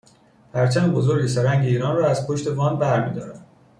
پرچم بزرگ سه رنگ ایران را از پشت وان بر میدارد